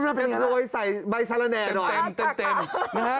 นั่นแหละครับโอ๊ยใส่ใบสาระแน่หน่อยเต็มนะฮะ